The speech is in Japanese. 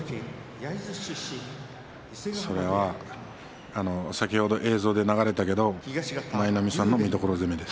それは先ほど映像で流れたけど舞の海さんの三所攻めです。